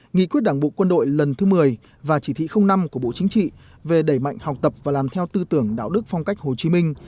nghị quyết đảng bộ quân đội lần thứ một mươi và chỉ thị năm của bộ chính trị về đẩy mạnh học tập và làm theo tư tưởng đạo đức phong cách hồ chí minh